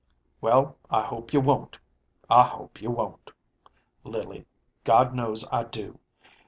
" Well, I hope you won't I hope you won't, Lily. God knows I do.